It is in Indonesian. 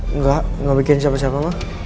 enggak enggak bikin siapa siapa mah